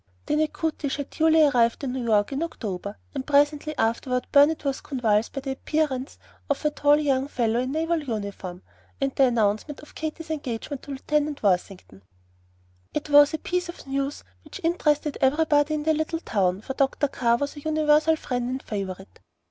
The "Natchitoches" had duly arrived in New York in October, and presently afterward Burnet was convulsed by the appearance of a tall young fellow in naval uniform, and the announcement of Katy's engagement to Lieutenant Worthington. It was a piece of news which interested everybody in the little town, for Dr. Carr was a universal friend and favorite.